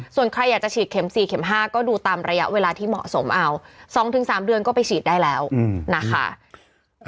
ส่วนใครอยากจะฉีดเข็ม๔เข็ม๕ก็ดูตามระยะเวลาที่เหมาะสมเอา๒๓เดือนก็ไปฉีดได้แล้วนะคะ